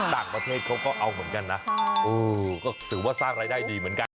ต่างประเทศเขาก็เอาเหมือนกันนะโอ้ก็ถือว่าสร้างรายได้ดีเหมือนกัน